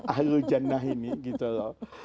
ahlu jannah ini gitu loh